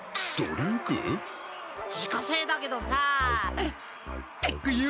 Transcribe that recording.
自家製だけどさきくよ！